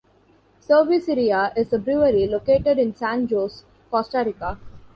Cerveceria is a brewery located in San Jose, Costa Rica.